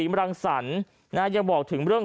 มรังสรรค์ยังบอกถึงเรื่อง